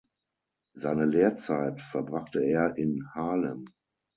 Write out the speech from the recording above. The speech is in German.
Seine Lehrzeit verbrachte er in Haarlem.